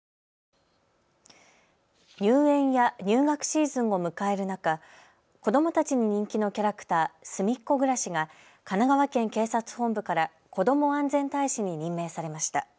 入園や入学シーズンを迎える中子どもたちに人気のキャラクター、すみっコぐらしが神奈川県警察本部から子供安全大使に任命されました。